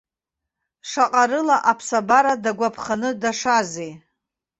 Шаҟарыла аԥсабара дагәаԥханы дашазеи!